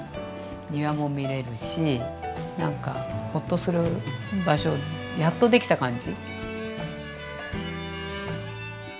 庭も見れるしなんかホッとする場所やっとできた感じ。